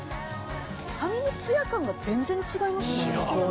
髪のツヤ感が全然違いますね。